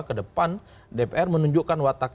ke depan dpr menunjukkan watak